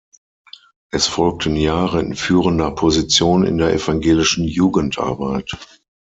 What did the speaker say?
Es folgten Jahre in führender Position in der evangelischen Jugendarbeit.